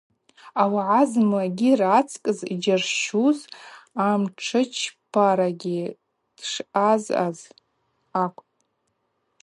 Ауагӏа зымгӏва рацкӏыс йджьарщуз амшӏычпарагьи дъазъазаз акӏвпӏ.